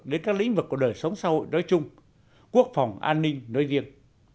đến các lĩnh vực của đời sống xã hội đối chung quốc phòng an ninh nơi riêng